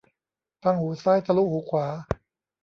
ฟังหูซ้าย ทะลุหูขวา